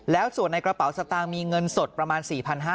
แล้วส่วนในกระเป๋าสตางค์มีเงินสดประมาณ๔๕๐๐